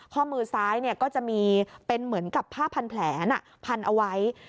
ข้อมือซ้ายก็จะมีเป็นเหมือนกับผ้าพันแผลพันเอาไว้